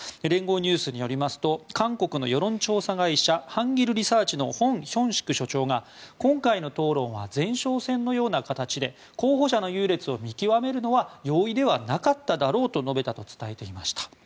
連合ニュースによりますと韓国の世論調査会社ハンギルリサーチのホン・ヒョンシク所長が今回の討論は前哨戦のような形で候補者の優劣を見極めるのは容易ではなかっただろうと述べたと伝えました。